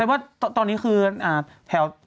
ว่าตอนนี้คือแถว